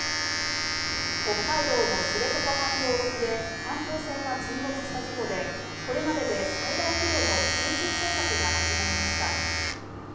北海道の知床半島沖で観光船が沈没した事故でこれまでで最大規模の集中捜索が始まりました。